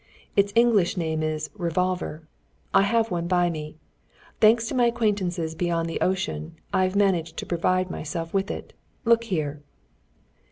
Its English name is 'revolver.' I have one by me. Thanks to my acquaintances beyond the ocean, I have managed to provide myself with it. Look here!"